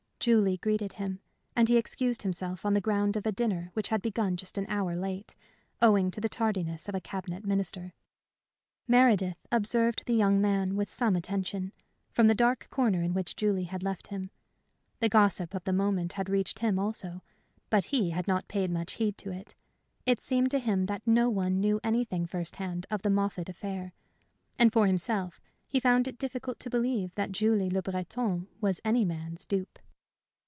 Julie greeted him, and he excused himself on the ground of a dinner which had begun just an hour late, owing to the tardiness of a cabinet minister. Meredith observed the young man with some attention, from the dark corner in which Julie had left him. The gossip of the moment had reached him also, but he had not paid much heed to it. It seemed to him that no one knew anything first hand of the Moffatt affair. And for himself, he found it difficult to believe that Julie Le Breton was any man's dupe.